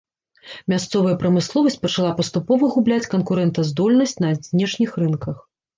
Мясцовая прамысловасць пачала паступова губляць канкурэнтаздольнасць на знешніх рынках.